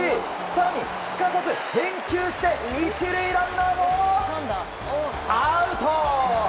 更に、すかさず返球して１塁ランナーもアウト！